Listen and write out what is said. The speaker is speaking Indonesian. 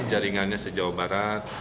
jaringannya sejauh barat